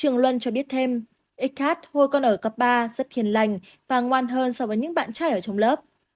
trưởng luân cho biết thêm xh hồi còn ở cấp ba rất thiền lành và ngoan hơn so với những bạn trai ở trong lớp